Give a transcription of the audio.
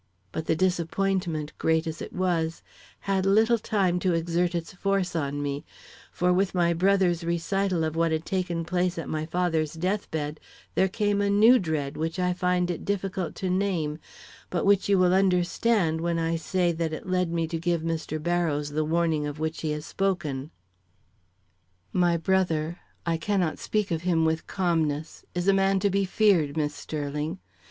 But the disappointment, great as it was, had little time to exert its force on me, for with my brother's recital of what had taken place at my father's death bed there came a new dread which I find it difficult to name but which you will understand when I say that it led me to give Mr. Barrows the warning of which he has spoken. My brother I cannot speak of him with calmness is a man to be feared, Miss Sterling.